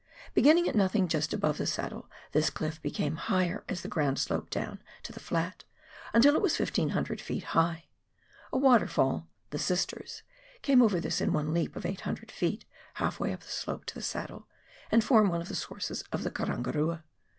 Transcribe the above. Beginning at nothing just ahove the saddle, this cliif became higher, as the ground sloped down to the flat, until it was 1,500 ft. high ; a waterfall, " The Sisters," came over this in one leap of 800 ft. half way up the slope to the saddle, and formed one of the sources of the Karangarua.